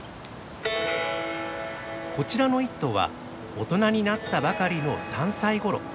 こちらの１頭はおとなになったばかりの３歳ごろ。